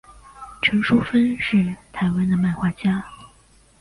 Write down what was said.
陈淑芬是台湾的漫画家。